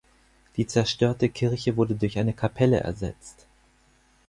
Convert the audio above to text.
Die zerstörte Kirche wurde durch eine Kapelle ersetzt.